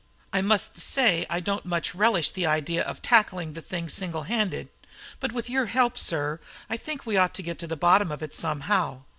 I must say I don't much relish the idea of tackling the thing single handed; but with your help, sir, I think we ought to get to the bottom of it somehow.